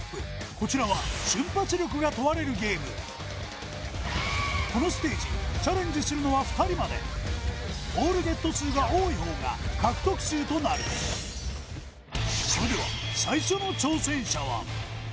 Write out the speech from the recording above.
こちらは瞬発力が問われるゲームこのステージチャレンジするのは２人までボールゲット数が多い方が獲得数となるそれでは最初の挑戦者は